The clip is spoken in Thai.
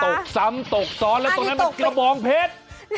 ตกซ้ำตกซ้อนแล้วตรงนั้นมันกระบองเพชร